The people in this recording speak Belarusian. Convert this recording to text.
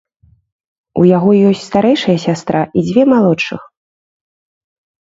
У яго ёсць старэйшая сястра і дзве малодшых.